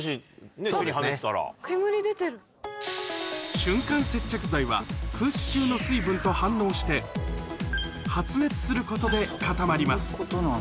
瞬間接着剤は、空気中の水分と反応して、発熱することで固まります。